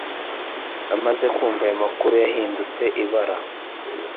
Amaze kumva ayo makuru yahindutse ibara